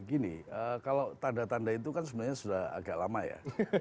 gini kalau tanda tanda itu kan sebenarnya sudah agak lama ya